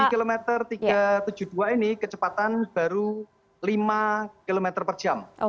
di kilometer tiga ratus tujuh puluh dua ini kecepatan baru lima km per jam